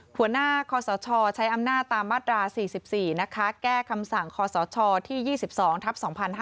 หัวหน้าคอสชใช้อำนาจตามมาตรา๔๔แก้คำสั่งคศที่๒๒ทัพ๒๕๕๙